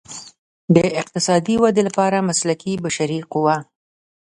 د اقتصادي ودې لپاره مسلکي بشري قوه.